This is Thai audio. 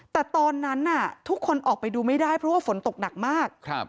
แต่ตอนนั้นทุกคนออกไปดูไม่ได้เพราะว่าฝนตกหนักมาก